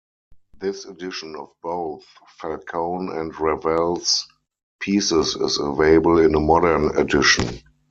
This edition of both Falcone and Raval's pieces is available in a modern edition.